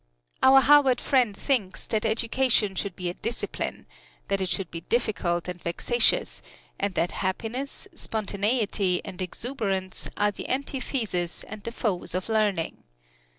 Our Harvard friend thinks that education should be a discipline that it should be difficult and vexatious, and that happiness, spontaneity and exuberance are the antitheses and the foes of learning.